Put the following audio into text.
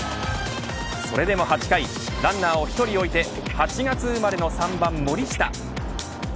それでも８回ランナーを１人置いて８月生まれの３番、森下。